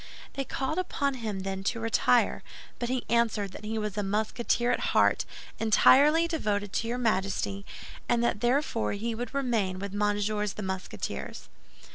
They called upon him then to retire; but he answered that he was a Musketeer at heart, entirely devoted to your Majesty, and that therefore he would remain with Messieurs the Musketeers."